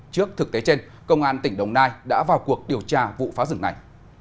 trước thực tế trên công an tỉnh đồng nai đã vào cuộc điều tra vụ phá rừng này